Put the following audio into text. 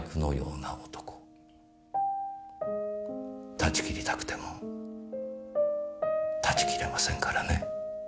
断ち切りたくても断ち切れませんからね。